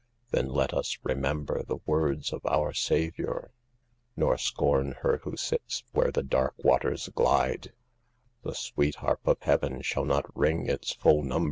' Then let us remember the words of our Savior, Nor scorn her who sits where the dark waters glide ; The sweet harp of heaven shall not ring its full num.